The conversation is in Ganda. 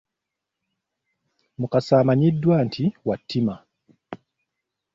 Mukasa amanyiddwa nti wa ttima.